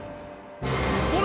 ほら。